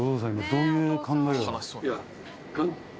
どういう考えが。